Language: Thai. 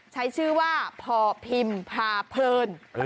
ใช้ชื่อว่าพอพิมพาเพลิน